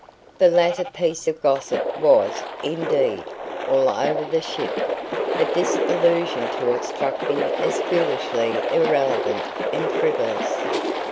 The latter piece of gossip was, indeed, all over the ship; but this allusion to it struck me as foolishly irrelevant and frivolous.